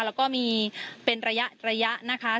แล้วก็มีเป็นระยะนะคะ